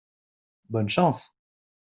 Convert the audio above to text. Bonne chance !